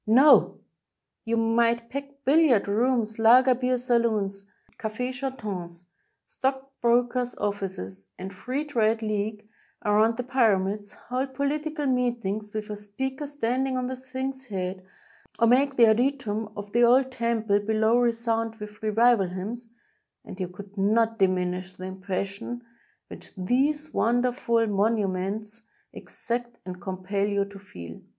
No !— you might pack billiard rooms, lager beer saloons, cafes chantants, stock brokers' oflSces, and Free Trade Leagues, around the Pyramids, hold political meetings with a speaker standing on the Sphinx's head, or make the adytum of the old temple below resound with revival h3Tnns, and you could not diminish the impression which these wonderful monu 64 A TRIP TO THE PYRAMIDS ments exact and compel you to feel.